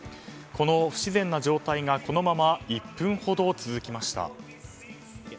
この不自然な状態がこのまま１分ほど続きました。